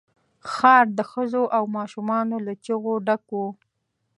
ښار د ښځو او ماشومان له چيغو ډک وو.